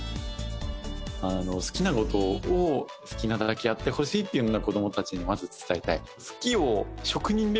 好きな事を好きなだけやってほしいっていうのが子供たちにまず伝えたい。